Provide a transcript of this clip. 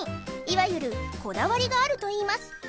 いわゆるこだわりがあるといいます